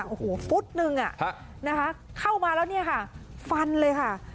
โอ้โหฟุตนึงนะคะเข้ามาแล้วเนี่ยค่ะฟันเลยค่ะ